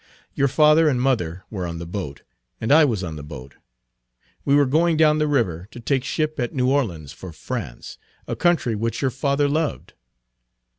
Your father and mother were on the boat and I was on the boat. We were going down the river, to take ship at New Orleans for France, a country which your father loved."